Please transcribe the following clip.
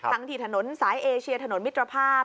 ทั้งที่ถนนสายเอเชียถนนมิตรภาพ